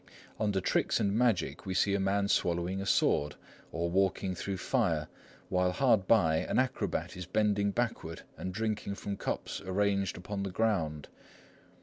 Under Tricks and Magic we see a man swallowing a sword, or walking through fire, while hard by an acrobat is bending backward and drinking from cups arranged upon the ground.